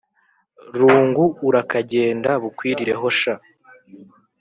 Rungu urakagenda bukwirireho sha